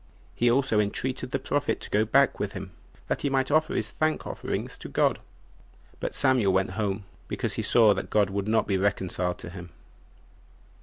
He also entreated the prophet to go back with him, that he might offer his thank offerings to God; but Samuel went home, because he saw that God would not be reconciled to him.